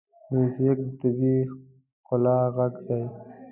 موزیک د طبیعي ښکلا غږ دی.